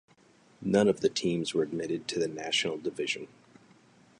None of the teams were admitted to the National Division.